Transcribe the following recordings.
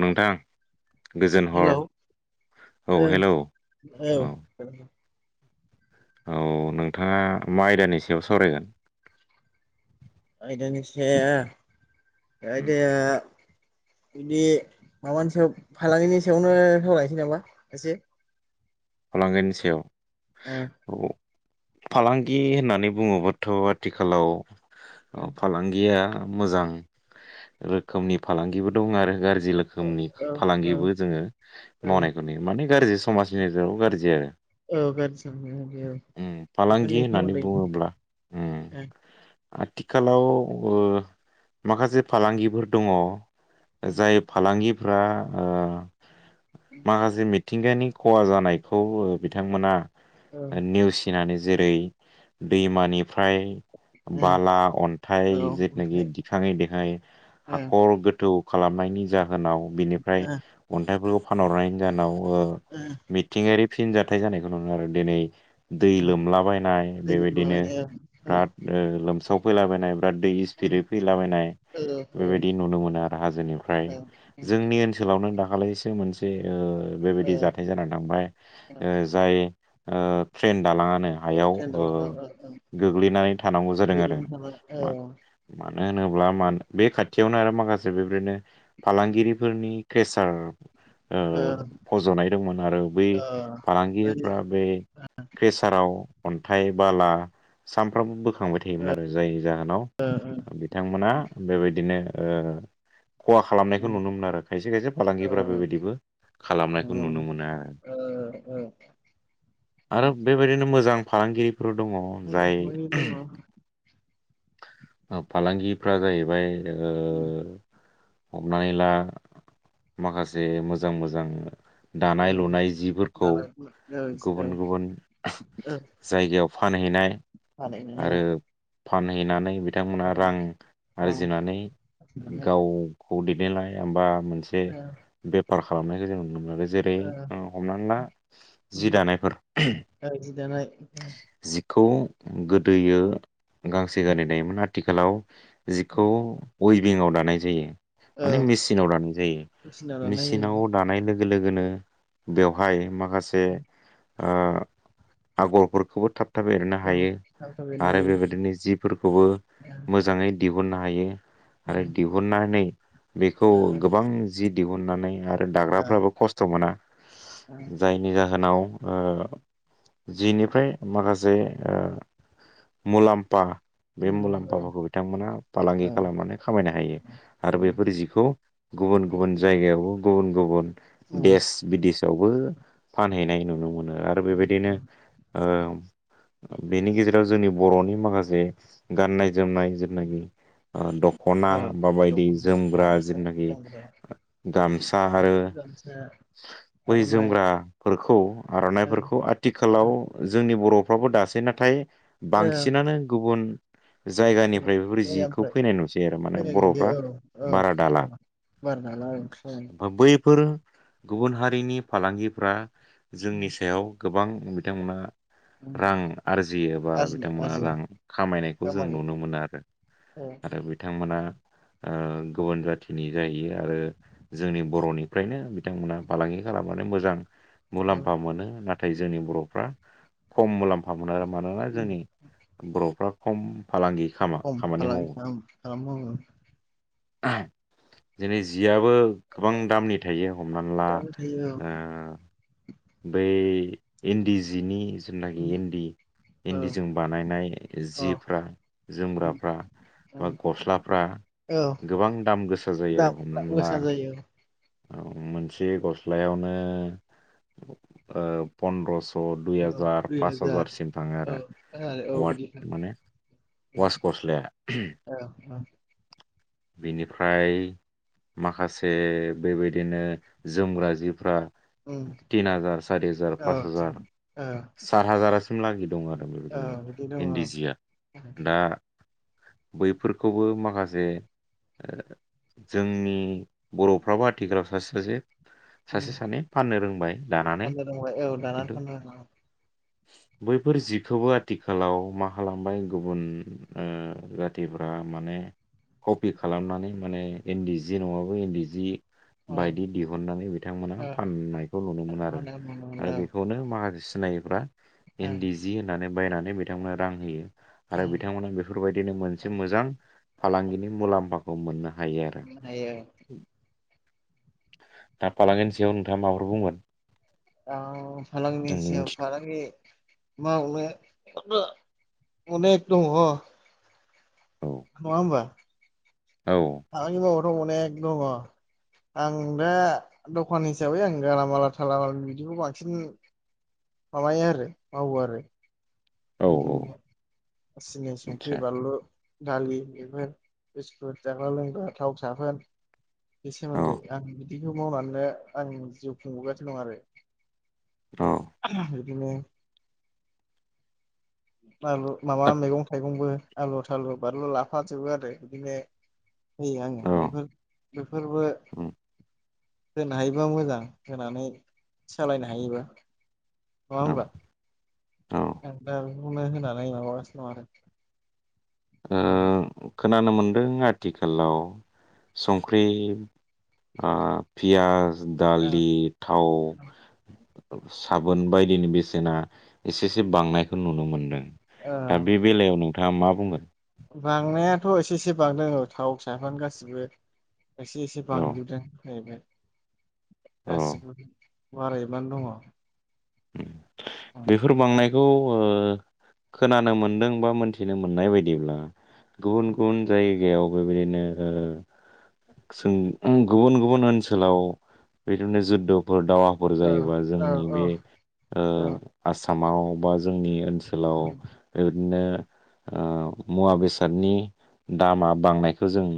नोंथां गोजोन हर। हेलौ औ ओं हेलौ औ औ नोंथाङा मा आयदानि सायाव सावरायगोन। [unintelligible] [unintelligible] बिदि माबानि सायाव उम फालांगिनि सायावनो सावलायनोसै नामा एसे। फालांगिनि सायाव। उम औ फालांगि होननानै बुङोबाथ' आथिखालाव ओ- फालांगिया मोजां रोखोमनि फालांगिबो दं आरो गारजि ओ रोखोमनि ओ औ औ फालांगिबो जोङो मावनायखौ औ नुयो माने गाज्रि समाजनि। गाजिआरो। औ गाज्रि साननाय औ उम फालांगि बेफोरनि होननानै सोमोन्दै बुङोब्ला उम। ओ आथिखालाव ओ-माखासे फालांगिफोर दङ। जाय फालांगिफ्रा ओ-माखासे मिथिंगानि खहा जानायखौ बिथांमोना औ ओ-नेवसिनानै जेरै दैमानिफ्राय ओ बाला अन्थाइ औ जेथुनाखि ओमफ्राय दिखाङै दिखाङै ओ हाखर गोथौ खालामनायनि जाहोनाव बिनिफ्राय अन्थाइफोरखौ फानहरनायनि जाहोनाव, ओम गायारि फिन जाथाय जानायखौ नु आरो दिनै दै ओ लोमलाबायनाय दै बेबायदिनो। लोमलाबायनाय औ बिराद ओ-लोमसाव फैलाबायनाय बिराद दै स्पिदै फैलाबायनाय। औ बेबायदि नुनो मोनो आरो हाजोनिफ्राय औ जोंनि ओनसोलावनो दाख दाखलैसो मोनसे ओ-बेबायदि जाथाय जानानै थांबाय ओ-जाय ओ ट्रेन दालाङानो औ हायाव टेन्डार औ औ ओ- गोग्लैनानै थानांगौ जादों आरो। औ औ मानो होनोब्ला मा-बे खाथियावनो आरो माखासे बेबायदिनो फालांगिरिफोरनि फ्रेसार। ओ ओ-फज'नाय दंमोन आरो। बै ओ बै फालांगिफ्रा बे प्रेसाराव। अनथाइ बाला सामफ्रोमबो। खांबाय थायोमोन आरो जायनि जाहोनाव मोजाङै बिथांमोना बेबायदिनो ओ- खहा खालामनायखौ नुनो मोनो आरो खायसे खायसे फालांगिफ्रा बेबायदिबो खालामनायखौ नुनो मोनो आरो। आरो बेबायदिनो मोजां फालांगिरि। दङ जाय दङ। आ-फालांगि। फोरा जाहैबाय नोंङो। हमनानै ला माखासे मोजां मोजां दानाय लुनाय। जिफोरखौ दानाय गुबुन गुबुन जायगायाव फानहैनाय। फानहैनाय ओ- आरो फानहैनानै बिथांमोना रां रां आरजिनानै गाव खौ दैदेननाय एबा मोनसे बेफार खालामनायखौ जों नुनो मोनो जेरै- हमनानै ला जि दानायफोर। आरजिनानै जि दानाय खौ गोदोयो गांसे गानै दायोमोन आथिखालाव जिखौ। अइभिंव दानाय जायो औ माने मेचिनाव दानाय जायो मेचिना लानाय मेचिनाव दानाय लोगो-लोग गोनो बेवहाय माखासे जायो ओ-आगरफोरखौबो थाब थाब-थाब एरनो औ हायो थाब थाबैनो आरो हायो बेबायदिनो जिफोरखौबो मोजाङै दिहुननो हायो। ओ आरो दिहुननानै बेखौ गोबां जि दिहुननानै आरो। दाग्राफ्राबो खस्थ' मोना जायनि जाहोनाव। ओ-जिनिफ्राय माखासे ओ-मुलाम्पा। बे मुलाम्पफोरखौ बिथांमोना पालांगि खालामनानै खामायनो हायो ओ आरो बेफोर जिखौ। गुबुन गुबुन जायगायावबो गुबुन-गुबुन। [unintelligible] बिदेशावबो फानहैनाय नुनो मोनो आरो ओ बेबायदिनो ओ ओ- बेनि गेजेराव जोंनि बर'नि माखासे गाननाय जोमनाय जेनाखि ओ- दख'ना औ बाबायदि दख'ना जोमग्रा गामसा जेनाखि गानग्रा गामसा आरो। [unintelligible] बै आर'नाइ जोमग्राफोरखौ औ आर'नाइफोरखौ औ आथिखालाव जोंनि बर' फावबो दासै नाथाय औ बांसिनानो गुबुन ओमफ्राय जायगानिफ्राय बेफोर जिखौ फैनाय नुसै आरो मानो फैनाय नुयो बर'फ्रा औ औ बारा दाला ओमफ्राय बैफोर [unintelligible] गुबुन हारिनि फालांगिफ्रा जोंनि सायाव गोबां बिथांमोना रां आरजियोबा आरजि बिथांमोना आरजि रां खामायनायखौ जों खामायो नुनो मोनो आरो औ आरो बिथांमोना ओ गुबुन जाथिनि जाहैयो आरो जोंनि बर'निफ्रायनो बिथांमोना फालांगि खालामनानै मोजां औ मुलाम्फा मोनो नाथ [unintelligible] जोंनि बर'फ्रा खम मुलाम्फा मोनोनख आरो मानोना जोंनि बर'फ्रा खम फालांगि खामा खामानि मावो [unintelligible] [unintelligible] दिनै जिआबो गोबां दामनि थायो हमनानै ला दाबाय थायो ओ बै इन्दि जिनि औ जेनाखि इन्दि औ इन्दिजों बानायनाय जिफ्रा जोमग्राफ्रा औ बा गस्लाफ्रा औ गोबां दाम गोसा जायो आरो दाम गोसा जायो [unintelligible] ओ मोनसे गस्लायावनो ओ पन्द्रस' अ दुइ औ हाजार दुइ पास हाजार हाजारसिम थाङो औ आरो औ अवाड बिदि औ माने वास गस्लाया बिनिफ्राय माखासे बेबायदिनो जोमग्रा जिफ्रा ओम तिन हाजार सारिजार पास हाजार औ सात हाजारासिम लागि दं आरो औ बिदि [unintelligible] दङ औ इन्दि जिया दा बैफोरखौबो माख [unintelligible] जोंनि बर'फ्राबो आथिखालाव सासे सासे सासे सानै फाननो रोंबाय दानानै फान्नो रोंबाय औ दाना खिन्थु फान्नो रोंबाय औ बैफोर जिखौबो आथिखालाव मा खालामबाय गुबुन ओ जाथिफ्रा माने कपि खालामनानै माने इन्दि जि नङाबो इन्दि जि बायदि दिहुननानै बिथांमोना औ फाननायखौ नुनो मोनो आरो फाननो रोंबाय आरो औ बेखौनो मा [unintelligible] सिनायिफ्रा औ इन्दि जि होननानै बायनानै बिथांमोना रां होयो आरो बिथांमोना बेफोरबायदिनो मोनसे मोजां फालांगिनि मुलाम्फाखौ मोनना हायो आरो मोननो हायो [unintelligible] दा फालांगिनि सायाव नोंथाङा माबाफोर बुंगोन औ फलांगिनि आंनि सायाव मिथि फालांगि [unintelligible] अनेख दंङ' हो। औ नङा ओमबा औ [unintelligible] अनेक दङ' आं दा दखान हिसाबै आं गालामाला थालामाला बिदिखौ बांसिन माबाय आरो मावो आरो औ [unintelligible] संख्रि आतसा बालु दालि बेफोर बिस्कुट जाग्रा लोंग्रा थाव साखोन बे औ सोमोन्दै आं बिदिखौ मावनानैनो आं जिउ खुंबोगासिनो दं आरो औ बिदिनो आलु माबा मैगं थाइगंबो आलु थालु बानलु लाफाजोबो आरो बिदिनो आङो औ बेफोर बेफोरबो उम होनो हायोबा मोजां होनानै सालायनो हायोबा नङा औ होनब्ला औ ओ द बुं माबागासिनो आरो औ खोनानो मोन्दों आथिखालाव संख्रि पियाज आरो दालि थाव साबोन बायदिनि बेसेना एसे एसे बांनायखौ नुनो मोनदों। ओ दा बे बेलायाव नोंथाङा मा बुंगोन? बांनायाथ' एसे एसे बांदों औ थाव साबोन गासिबो। एसे एसे औ बांजोबदों जाहैबाय। औ गासिखौबो बारायजोबनानै दङ बेफोर बांनायखौ ओ खोनानो मोनदों बा मोनथिनो मोननाय बायदिब्ला गुबुन गुबुन जायगायावबो बेबायदिनो ओ जों गुबुन गुबुन ओनसोलाव बिदिनो जुध' फोर दावहाफोर जायोबा औ जोंनि बे ओ औ आसामाव बा जोंनि ओनसोल औ ओनसोलाव बेबायदिनो मुवा ओ मुवा बेसादनि दामा बांनायखौ जों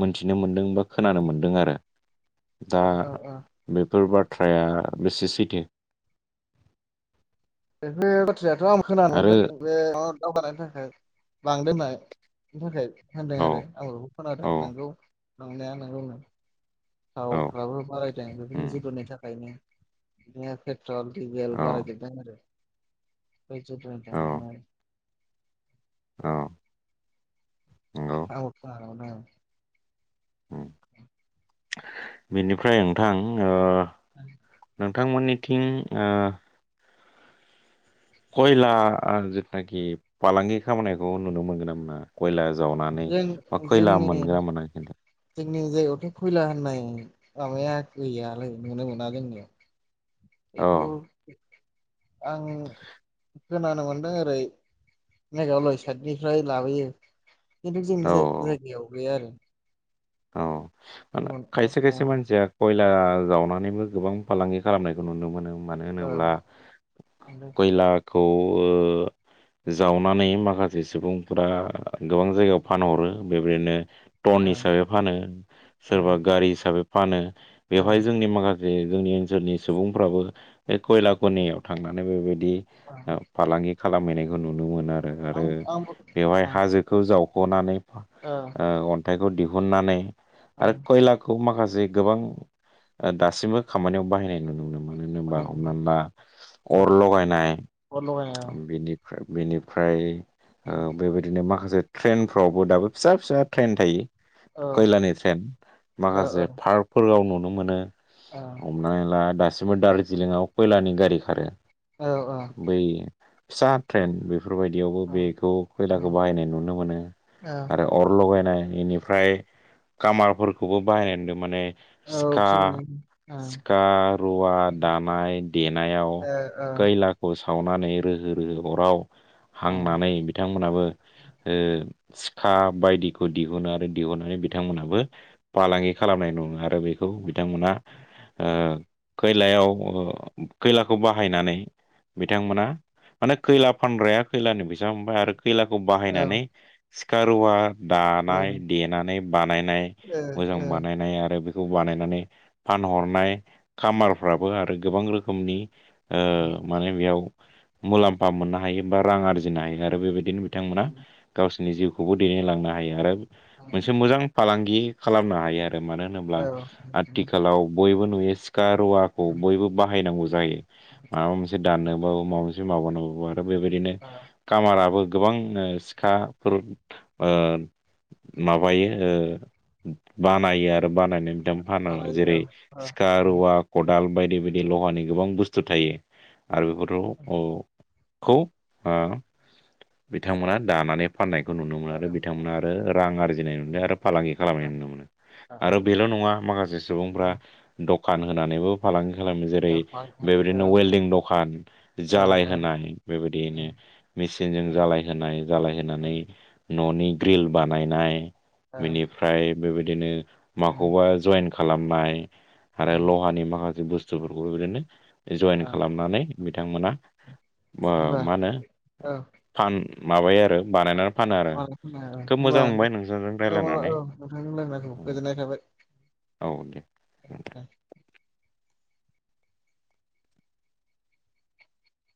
मोनथिनो मोनदों बा खोनानो मोनदों आरो। दा औ औ बेफोर बाथ्राया बेसे सैथो? बेफोर बाथ्रायाथ' आं खोनानो आरो मोनदों बे दावगानायनि थाखाय लांदो थाखाय होनदों औ आरो आं बेखौ खोनादों औ नोंगौ। नंनाया नोंगौनो औ थावफ्राबो बारायदों बेफोरनि उम जुधनि थाखायनो। पेट्रल डिजेल औ बारायजोबदों आरो बेै जुधनि औ थाखायनो औ नंगौ आंबो खोनानो मोन्दों औ। उम बेनिफ्राय नोंथां ओ नोंथांमोननि थिं ओ खयला जिथुनाखि फालांगि खामानैखौ नुनो मोनगोन ना मोना कयला जावनानै जों बा खैला जोंनि मोनग्रा मोना खिन्था? जोंनि जायगायावथ' खैला होननाय माबाया गैयालै नुनो मोना जोंनियाव औ बेखौ आं खोनानो मोनदों ओरै मेघालय साइडनिफ्राय लाबोयो। खिन्थु औ जोंनि जायगायाव गैया आरो। औ मा होनो खायसे ओ खायसे मानसिया खैला जावनानैबो गोबां फालांगि खालामनायखौ नुनो मोनो आों मानो होनोब्ला ओमफ्राय खयलाखौ जावनानै माखासे सुबुंफोरा गोबां जायगायाव फानहरो बेबायदिनो टन हिसाबै फानो सोरबा गारि हिसाबै फानो बेवहाय जोंनि माखा जे जोंनि ओनसोलनि सुबुंफ्राबो बे खयला खनियाव थांनानै बेबायदि ओ फालांगि खालामहैनायखौ नुनो मोनो आरो आं आरो आंबो बेवहाय ओ हाजोखौ जाव ख'नानै अन्थाइखौ दिहुननानै आरो कयलाखौ माखासे जे गोबां दासिमबो खामानियाव बाहायनाय नुनो मोनो। मानो होनोबा ओ ओं हमनानै ला अर लगायनाय अर लगायनाय बेनिफ्राय बेनिफ्राय ओ बेबायदिनो माखासे ट्रेनफ्रावबो दाबो फिसा फिसा ट्रेन थायो। औ खैलानि ट्रेन औ माखासे पार्कफोराव नुनो मोनो। औ हमनानै ला दासिमबो दार्जिलिंआव खयलानि गारि खारो। बै फिसा ट्रेन बे बेफोरबायदियावबो औ बेखौ खयलाखौ बाहायनाय नुनो मोनो औ आरो अर लगायनायनि फ्राय कामारफोरखौबो बाहायनाय नुनो माने औ बिसोरबो लायो। सिका रुवा दानाय देनायाव ओ औ औ खैलाखौ सा सावनानै रोहो रोहो अराव हांनानै बिथांमोनाबो ओ सिखा बायदिखौ दिहुनो आरो दिहुननानै बिथांमोनाबो फालांगि खालामनाय नङा आरो बेखौ बिथांमोना ओ खैलायाव खैलाखौ बाहायनानै बिथांमोना माने खैला फानग्राया खैलाानि बिस जामफ्राय आरो खैलाखौ ओ बाहायनानै सिखारुवा ओ दानाय देनानै बानायनाय मोजां बानायनाय आरो आरो बेखौ बानायनानै फानहरनाय खामारफ्राबो आरो गोबां रोखोमनि ओ माने बेयाव मुलाम्फा मोननो हायो बा रां आरजिनो हायो आरो बेबायदिनो बिथांमोना गावसोरनि जिउखौबो दैदेनलांनो हायो आरो मोनसे मोजां फालांगि खालामनो हायो आरो मानो होनोब्ला आथिखालाव बयबो नुयो सिखा सिखा रुवाखौ औ बयबो बाहायनांगौ जायो माबा मोनसे दाननोबाबो माबा मोनसे माबानांगौ दा बेबायदिनो कामाराबो गोबां ओ सिखाफोर ओ माबायो ओ बानायो आरो बानायनाय फानो मालाय जेरै औ औ सिखा रुवा खौदाल बायदि बायदि लहानि गोबां बुस्थु थायो आरो बेथ खौ ओ बिथांमोना दानानै फाननायखौ नुनो मोनो आरो बिथांमोना आरो रां आरजिनाय न आरो औ फालांगि खालामनाय नुनो मोनो आरो होनबा बेल' नङा माखासे सुबुंफ्रा दखान होनानैबो फालांगि खालामो जेरै बेबायदिनो वेल्डं दखान जालाय होनाय बेबायदियनो मेचनजों जालायहोनाय जालायहोनानै न'नि ग्रिल बानायनाय बिनिफ्राय बेबायदिनो माखौबा जइेन खालामनाय आरो लहानि माखासे बुस्थुफोरखौबो बिदिनो जइेन खालामनानै बिथांमोना मा होनो औ फान माबायो आरो बानायनानै फानो आरो अ खोनाबाय खोब होमबा मोजां मोनबाय नोंसोरजों रायज्लायनानै औ नोंथांनि रायलायनायखौ गोजोननाय थाबाय। औ दे